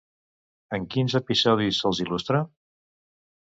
En quins episodis se'ls il·lustra?